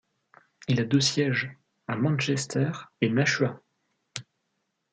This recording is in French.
Il a deux sièges, à Manchester et Nashua.